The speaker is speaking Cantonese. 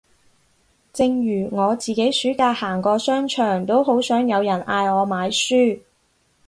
正如我自己暑假行過商場都好想有人嗌我買書